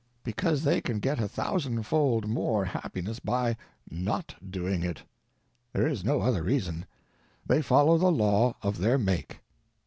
Because they can get a thousandfold more happiness by not doing it. There is no other reason. They follow the law of their make.